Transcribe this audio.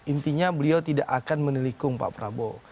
intinya beliau tidak akan menelikung pak prabowo